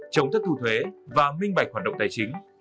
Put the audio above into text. chống thất thù thuế và minh bạch hoạt động tài chính